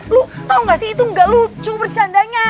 lu tau gak sih itu enggak lucu bercandanya